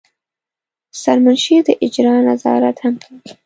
سرمنشي د اجرا نظارت هم کوي.